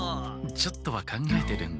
ちょっとは考えてるんだ。